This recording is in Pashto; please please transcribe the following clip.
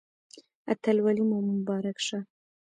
اتلولي مو مبارک شه